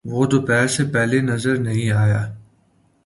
وہ دوپہر سے پہلے نظر نہیں آیا۔